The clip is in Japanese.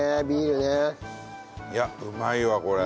いやうまいわこれ。